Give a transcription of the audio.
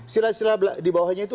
sila sila di bawahnya itu